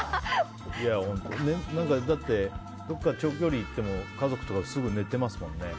だって、どこか長距離行っても家族とかすぐ寝てますもんね。